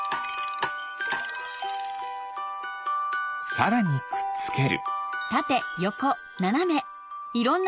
さらにくっつける。